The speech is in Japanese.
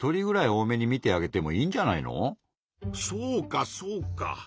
そうかそうか。